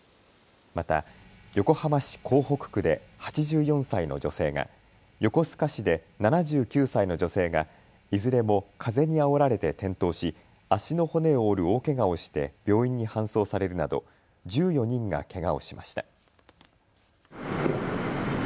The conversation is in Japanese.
また横浜市港北区で８４歳の女性が、横須賀市で７９歳の女性がいずれも風にあおられて転倒し足の骨を折る大けがをして病院に搬送されるなど１４人がけがをしました。